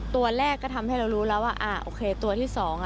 ตัวแรกก็ทำให้เรารู้แล้วว่าตัวที่๒